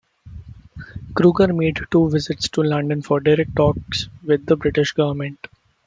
Kruger made two visits to London for direct talks with the British government.